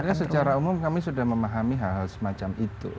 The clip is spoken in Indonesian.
sebenarnya secara umum kami sudah memahami hal hal semacam itu